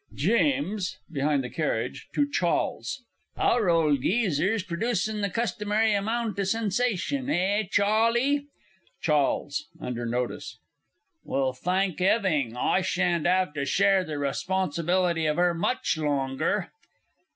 JEAMES (behind the carriage, to CHAWLES). Our old geeser's perdoocin' the custimary amount o' sensation, eh, Chawley? CHAWLES (under notice). Well, thank 'Eving, I sha'n't have to share the responsibility of her much longer!